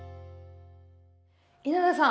稲田さん